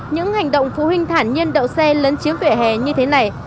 những hành động phụ huynh thản nhiên đậu xe lấn chiếm vỉa hè như thế này